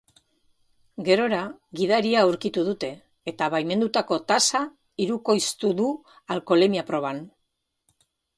Gerora, gidaria aurkitu dute, eta baimendutako tasa hirukoiztu du alkoholemia proban.